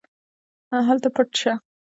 هله پټ شه.